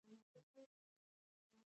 یولس زره صالح خلک یې وژل.